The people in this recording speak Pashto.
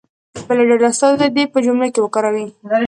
د بلې ډلې استازی دې په جملو کې وکاروي.